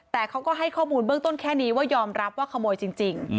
แต่เขาก็ให้ข้อมูลเบื้องต้นแค่นี้ว่ายอมรับว่าขโมยจริง